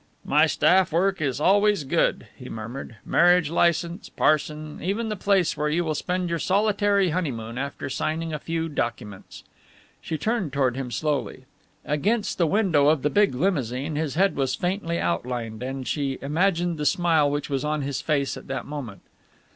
"My staff work is always good," he murmured, "marriage licence, parson, even the place where you will spend your solitary honeymoon after signing a few documents." She turned toward him slowly. Against the window of the big limousine his head was faintly outlined and she imagined the smile which was on his face at that moment.